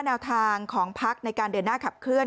แนวทางของพักในการเดินหน้าขับเคลื